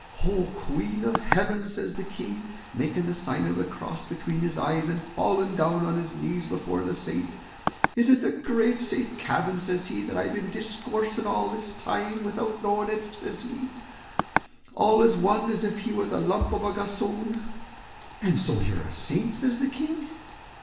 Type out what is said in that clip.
"Oh, queen of heaven!" says the King, making the sign of the cross between his eyes, and falling down on his knees before the saint; "is it the great Saint Kavin," says he, "that I've been discoursing all this time without knowing it," says he, "all as one as if he was a lump of a gossoon? and so you're a saint?" says the King.